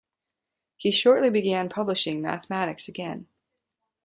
He shortly began publishing mathematics again.